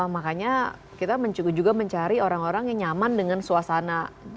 makanya kita juga mencari orang orang yang nyaman dengan suasana